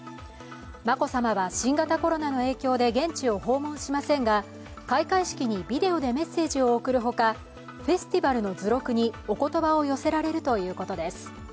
眞子さまは、新型コロナの影響で現地を訪問しませんが開会式にビデオでメッセージを送るほか、フェスティバルの図録におことばを寄せられるということです。